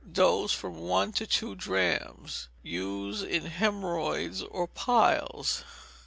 Dose, from one to two drachms. Use in haemorrhoids, or piles.